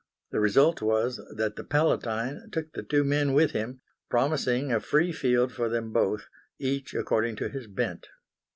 The result was that the Palatine took the two men with him, promising a free field for them both, each according to his bent.